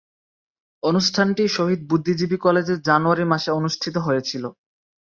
অনুষ্ঠানটি শহীদ বুদ্ধিজীবী কলেজে জানুয়ারি মাসে অনুষ্ঠিত হয়েছিলো।